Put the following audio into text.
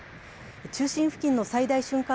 中心付近の最大瞬間